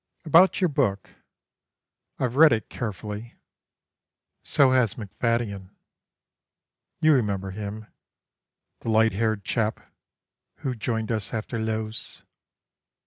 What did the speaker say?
About your book. I've read it carefully, So has Macfaddyen (you remember him, The light haired chap who joined us after Loos?)